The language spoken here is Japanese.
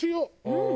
うん。